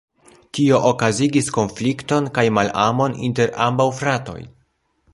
Tio okazigis konflikton kaj malamon inter ambaŭ fratoj.